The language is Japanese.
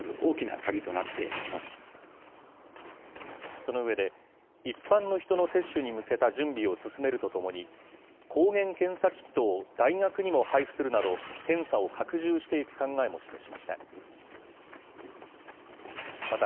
その上で、一般の人の接種に向けた準備を進めるとともに、抗原検査キットを大学にも配布するなど、検査を拡充していく考えも示しました。